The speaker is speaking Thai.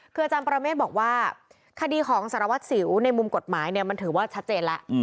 คืออาจารย์ประเมฆบอกว่าคดีของสารวัตรสิวในมุมกฎหมายเนี่ยมันถือว่าชัดเจนแล้ว